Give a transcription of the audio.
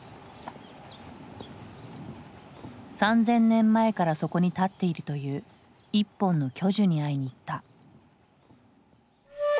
３，０００年前からそこに立っているという１本の巨樹に会いに行った。